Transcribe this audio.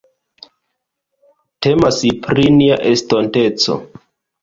Temas pri nia estonteco.